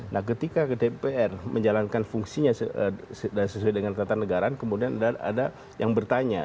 nah ketika dpr menjalankan fungsinya sesuai dengan ketatanegaraan kemudian ada yang bertanya